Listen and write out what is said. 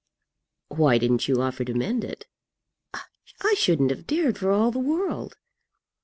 "Why didn't you offer to mend it?" "I shouldn't have dared for all the world."